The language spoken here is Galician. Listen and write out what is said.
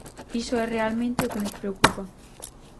Iso é realmente o que nos preocupa.